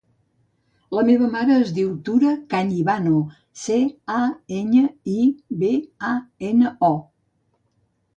La meva mare es diu Tura Cañibano: ce, a, enya, i, be, a, ena, o.